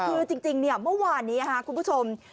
คือจริงเมื่อวานนี้คุณผู้ชม